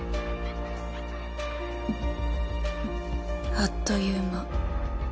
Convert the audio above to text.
あっという間